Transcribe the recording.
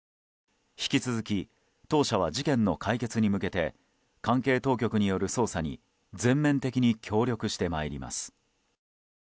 引き続き、当社は事件の解決に向けて関係当局による捜査に全面的に協力してまいります。